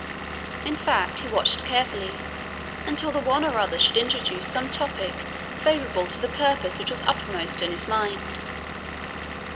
In fact, he watched carefully until the one or other should introduce some topic favourable to the purpose which was uppermost in his mind.